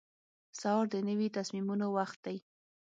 سهار د نوي تصمیمونو وخت دی.